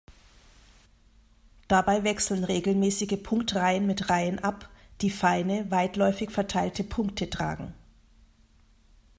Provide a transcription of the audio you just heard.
Dabei wechseln regelmäßige Punktreihen mit Reihen ab, die feine, weitläufig verteilte Punkte tragen.